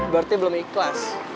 berarti belum ikhlas